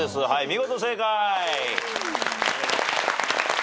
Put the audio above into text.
はい！